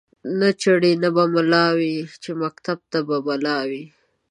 نه چړي نه به مُلا وی چي مکتب ته به بلا وي